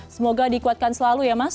semoga dikuatkan selalu ya mas